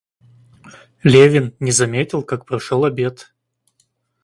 Левин не заметил, как прошел обед.